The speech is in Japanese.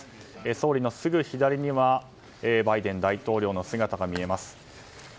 総理のすぐ左にはバイデン大統領の姿が見えます。